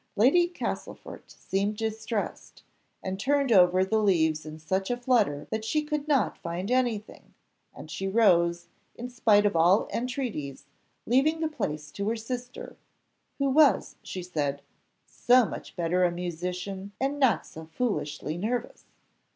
Lady Castlefort seemed distressed, and turned over the leaves in such a flutter that she could not find anything, and she rose, in spite of all entreaties, leaving the place to her sister, who was, she said, "so much better a musician and not so foolishly nervous."